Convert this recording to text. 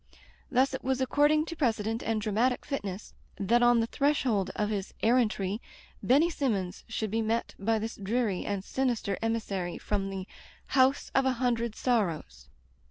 Thus it was according to precedent and dramatic fitness, that on the threshold of his errantry Benny Simmons should be met by this dreary and sinister emissary from the "House of a Hundred Sorrows."